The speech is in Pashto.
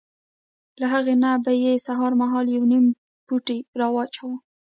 له هغې نه به یې سهار مهال یو نیم پوټی را اچاوه.